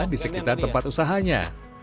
di sekitar tempat usahanya